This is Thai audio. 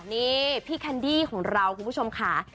นี่พี่แคนดี้ของเราคุณผู้ชมค่ะ